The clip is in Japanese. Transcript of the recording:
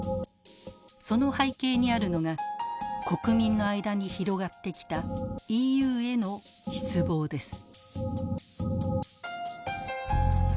その背景にあるのが国民の間に広がってきたＥＵへの失望です。